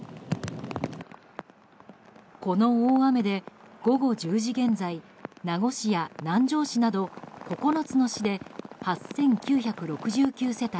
この大雨で、午後１０時現在名護市や南城市など９つの市で８９６９世帯